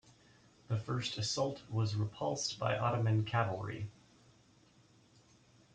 The first assault was repulsed by Ottoman cavalry.